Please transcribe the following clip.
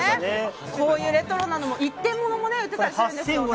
こういうレトロなのも一点ものも売ってたりするんですよね。